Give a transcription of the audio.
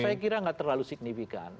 saya kira nggak terlalu signifikan